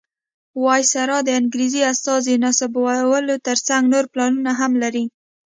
وایسرا د انګریز استازي نصبولو تر څنګ نور پلانونه هم لري.